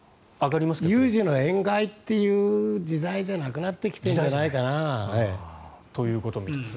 有事の円買いという時代じゃなくなってきてるんじゃないかな。ということみたいです。